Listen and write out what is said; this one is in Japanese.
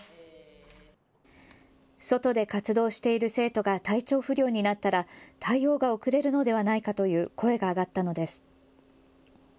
外で活動している生徒が体調不良になったら対応が遅れるのではないかという声が上がったのです。